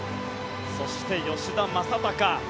そして吉田正尚。